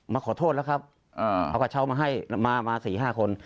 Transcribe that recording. มาขอโทษแล้วครับเอากระเช้ามาให้มามา๔๕คน